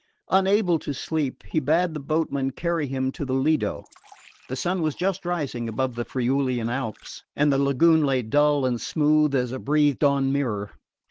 Unable to sleep, he bade the boatmen carry him to the Lido. The sun was just rising above the Friulian Alps and the lagoon lay dull and smooth as a breathed on mirror.